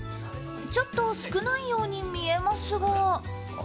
ちょっと少ないように見えますが。